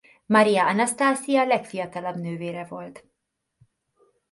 Marija Anasztaszija legfiatalabb nővére volt.